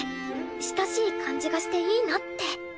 親しい感じがしていいなって。